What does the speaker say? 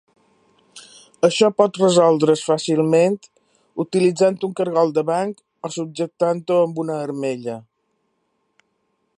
Això pot resoldre's fàcilment utilitzant un cargol de banc o subjectant-ho amb una armella.